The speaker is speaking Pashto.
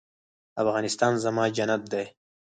افغانستان زما جنت دی؟